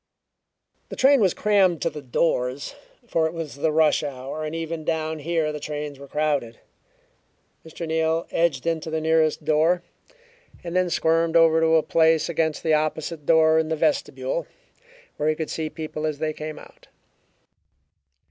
The train was crammed to the doors, for it was the rush hour and even down here the trains were crowded. Mr. Neal edged into the nearest door and then squirmed over to a place against the opposite door in the vestibule, where he could see people as they came out.